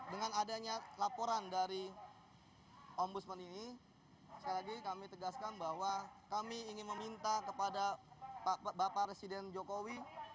dengan adanya laporan dari ombudsman ini sekali lagi kami tegaskan bahwa kami ingin meminta kepada bapak presiden jokowi